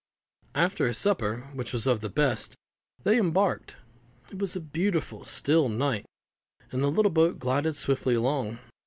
After a supper, which was of the best, they embarked. It was a beautiful still night, and the little boat glided swiftly along.